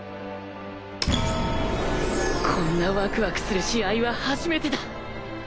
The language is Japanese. こんなワクワクする試合は初めてだ